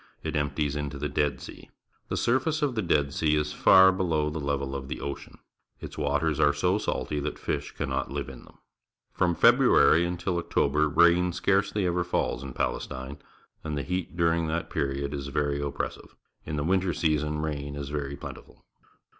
It empties into the Dead Sea. The surface of the Dead Sea is far below the level of the ocean. Its waters are so 212 PUBLIC SCHOOL GEOGRAPHY salty that fish cannot Hve in them. From February until October rain scarcely ever falls in Palestine, and the heat during that period is very oppressive. In the winter season rain is very plentiful.